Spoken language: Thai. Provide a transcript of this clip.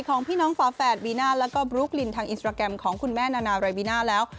ของพี่น้องฝาแฝดบีน่าแล้วก็บลุ๊กลินทางอินสตราแกรมของคุณแม่นานารายบีน่าแล้ว